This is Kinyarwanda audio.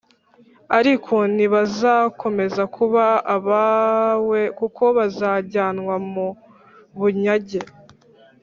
ariko ntibazakomeza kuba abawe kuko bazajyanwa mu bunyage